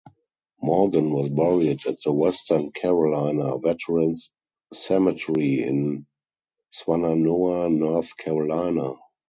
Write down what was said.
Morgan was buried at the Western Carolina Veterans Cemetery in Swannanoa, North Carolina.